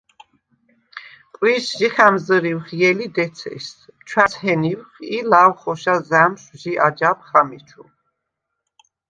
ყვიჟს ჟი ხა̈მზჷრივხ ჲელი დეცეშს, ჩვა̈ზჰენივხ ი ლაღვ ხოშა ზა̈მშვ ჟი აჯაბხ ამეჩუ.